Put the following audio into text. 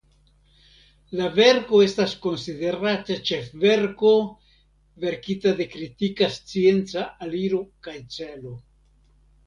La verko estas konsiderata ĉefverko verkita de kritika scienca aliro kaj celo.